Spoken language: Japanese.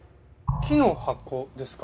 木の箱ですか？